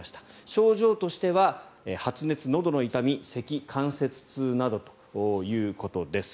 症状としては発熱、のどの痛み、せき関節痛などということです。